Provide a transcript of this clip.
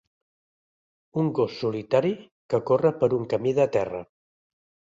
Un gos solitari que corre per un camí de terra.